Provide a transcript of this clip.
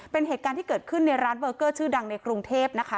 เป็นเหตุการณ์ที่เกิดขึ้นในร้านเบอร์เกอร์ชื่อดังในกรุงเทพนะคะ